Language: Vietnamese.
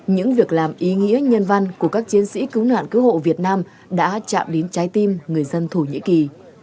những việc làm ý nghĩa nhân văn của các chiến sĩ cứu nạn cứu hộ việt nam đã chạm đến trái tim người dân thổ nhĩ kỳ